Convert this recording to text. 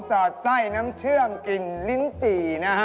สอดไส้น้ำเชื่อมกลิ่นลิ้นจี่นะฮะ